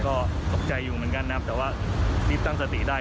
ก็ตกใจอยู่เหมือนกันนะครับแต่ว่ารีบตั้งสติได้